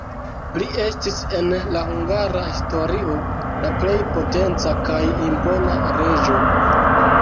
Li estis en la hungara historio la plej potenca kaj impona reĝo.